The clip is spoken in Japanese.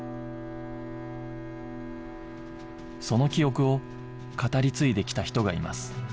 その記憶を語り継いできた人がいます